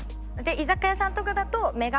居酒屋さんとかだとメガ？